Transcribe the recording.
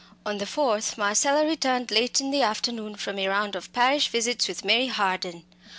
On the fourth Marcella returned late in the afternoon from a round of parish visits with Mary Harden.